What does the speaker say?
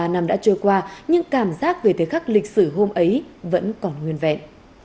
bảy mươi ba năm đã trôi qua nhưng cảm giác về thế khắc lịch sử hôm ấy vẫn còn nguyên vẹn